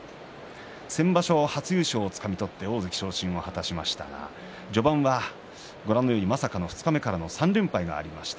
先場所、初優勝をつかみ取って大関昇進を果たしましたが序盤はまさかの二日目からの３連敗がありました。